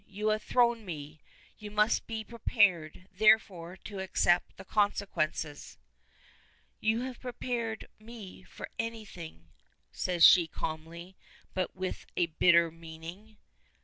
You have thrown me; you must be prepared, therefore, to accept the consequences." "You have prepared me for anything," says she calmly, but with bitter meaning.